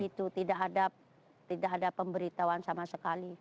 itu tidak ada tidak ada pemberitahuan sama sekali